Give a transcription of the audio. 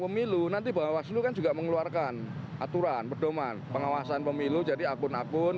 pemilu nanti bawaslu kan juga mengeluarkan aturan perdoman pengawasan pemilu jadi akun akun